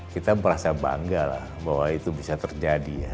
kita merasa bangga lah bahwa itu bisa terjadi ya